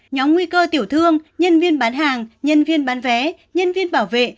nhóm nguy cơ tiểu thương nhân viên bán hàng nhân viên bán vé nhân viên bảo vệ